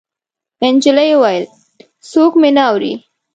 نجلۍ وويل: څوک مې نه اوري.